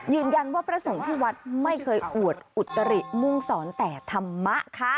พระสงฆ์ที่วัดไม่เคยอวดอุตริมุ่งสอนแต่ธรรมะค่ะ